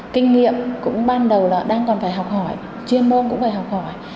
kinh nghiệm cũng ban đầu là đang còn phải học hỏi chuyên môn cũng phải học hỏi